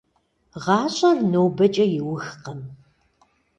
ГъащӀэр нобэкӀэ иухкъым…